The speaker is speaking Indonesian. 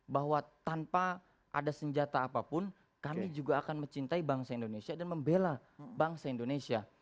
bahwa tanpa ada senjata apapun kami juga akan mencintai bangsa indonesia dan membela bangsa indonesia